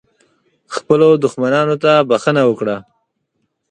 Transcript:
خپلو دښمنانو ته بښنه وکړه .